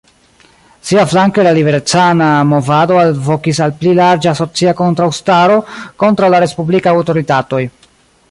Siaflanke la liberecana movado alvokis al pli larĝa socia kontraŭstaro kontraŭ la respublikaj aŭtoritatoj.